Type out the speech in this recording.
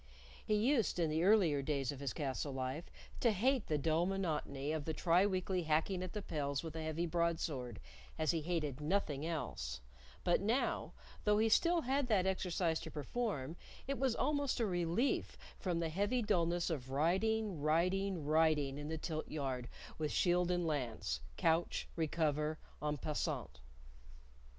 He used, in the earlier days of his castle life, to hate the dull monotony of the tri weekly hacking at the pels with a heavy broadsword as he hated nothing else; but now, though he still had that exercise to perform, it was almost a relief from the heavy dulness of riding, riding, riding in the tilt yard with shield and lance couch recover en passant.